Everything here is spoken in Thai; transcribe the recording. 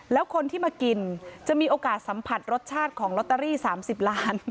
แล้วคนที่มากินจะมีโอกาสสัมผัสรสชาติของลอตเตอรี่๓๐ล้าน